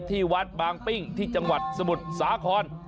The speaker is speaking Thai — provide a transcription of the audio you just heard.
ที่วัดบางปิ้งที่จังหวัดสมุทรสาคร